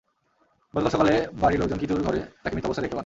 গতকাল সকালে বাড়ির লোকজন কিতুর ঘরে তাঁকে মৃত অবস্থায় দেখতে পান।